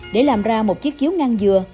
để làm ra một chiếc chiếu ngăn dừa